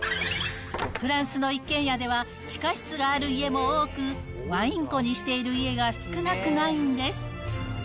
フランスの一軒家では、地下室がある家も多く、ワイン庫にしている家が少なくないんです。